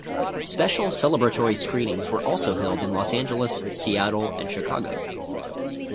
Special celebratory screenings were also held in Los Angeles, Seattle and Chicago.